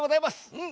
うん。